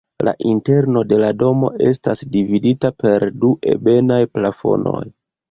La interno de la domo estas dividita per du ebenaj plafonoj.